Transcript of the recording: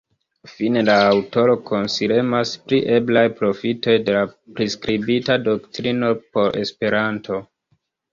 Fine, la aŭtoro konsilemas pri eblaj profitoj de la priskribita doktrino por Esperanto.